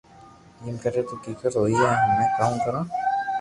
ايم ڪري تو ڪيڪر ھوئئي ھمو ڪاو ڪرو